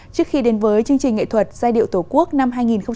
trước khi đến với chương trình nghệ thuật giai điệu tổ quốc năm hai nghìn một mươi chín